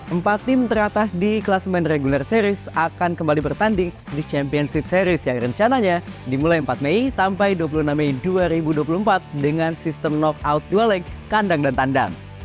empat tim teratas di kelas men regular series akan kembali bertanding di championship series yang rencananya dimulai empat mei sampai dua puluh enam mei dua ribu dua puluh empat dengan sistem knockout dual leg kandang dan tandang